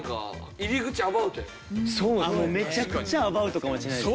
もうめちゃくちゃアバウトかもしれないですね。